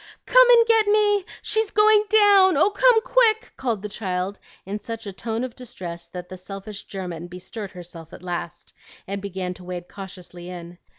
"Come and get me! She's going down! Oh, come, quick!" called the child in a tone of such distress that the selfish German bestirred herself at last, and began to wade cautiously in.